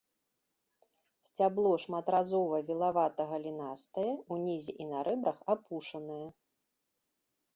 Сцябло шматразова вілавата-галінастае, унізе і на рэбрах апушанае.